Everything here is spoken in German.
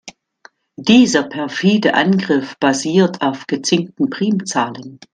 Dieser perfide Angriff basiert auf gezinkten Primzahlen.